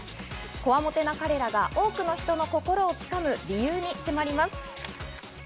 こわもてな彼らが多くの人の心を掴む理由に迫ります。